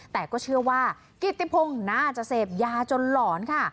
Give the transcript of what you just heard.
แต่ก็เชื่อว่ากิติพงศ์น่าจะเสพยาจนหลอนค่ะ